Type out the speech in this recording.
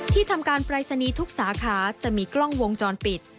ทำการปรายศนีย์ทุกสาขาจะมีกล้องวงจรปิด